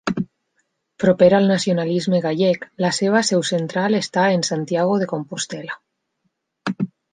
Proper al nacionalisme gallec, la seva seu central està en Santiago de Compostel·la.